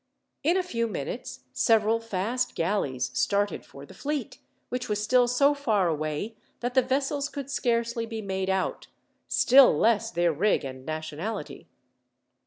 In a few minutes, several fast galleys started for the fleet, which was still so far away that the vessels could scarcely be made out, still less their rig and nationality.